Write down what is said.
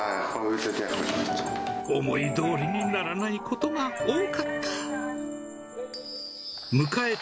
思いどおりにならないことが多かった。